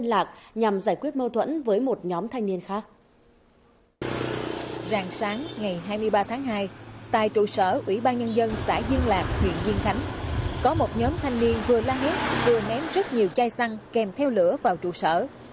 ngày hai mươi sáu tháng hai tại trụ sở ủy ban nhân dân xã duyên làm huyện duyên khánh có một nhóm thanh niên vừa la hét vừa ném rất nhiều chai xăng kèm theo lửa vào trụ sở